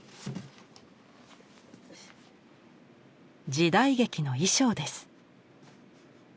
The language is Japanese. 時代劇の衣装です。